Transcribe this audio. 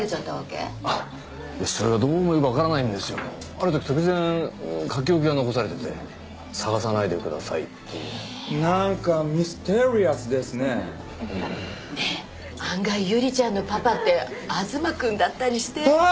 ある時突然書き置きが残されてて「捜さないでください」っていうなんかミステリアスですねねぇ案外百合ちゃんのパパって東くんだったりしてあぁ！